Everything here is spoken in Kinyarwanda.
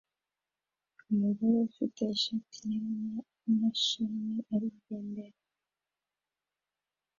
Umugore ufite ishati yera na imashini arigendera